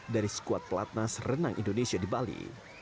dari skuad pelatnas renang indonesia di bali